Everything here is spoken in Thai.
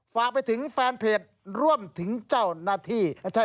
ฝากไปถึงแฟนเพจร่วมถึงเจ้าหน้าที่